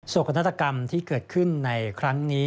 กนาฏกรรมที่เกิดขึ้นในครั้งนี้